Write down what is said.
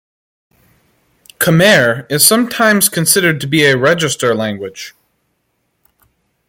Khmer is sometimes considered to be a register language.